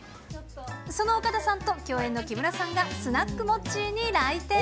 その岡田さんと共演の木村さんがスナックモッチーに来店。